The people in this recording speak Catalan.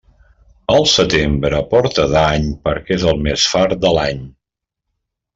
El setembre porta dany perquè és el més fart de l'any.